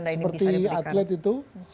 seperti atlet itu